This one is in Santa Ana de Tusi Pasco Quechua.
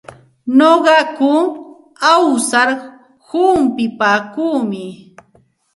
Nuqaku awsar humpipaakuumi.